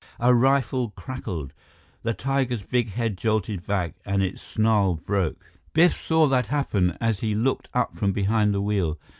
A rifle crackled. The tiger's big head jolted back, and its snarl broke. Biff saw that happen as he looked up from behind the wheel.